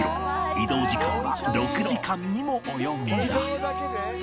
移動時間は６時間にも及んだ